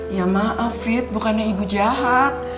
ya maaf fit bukannya ibu jahat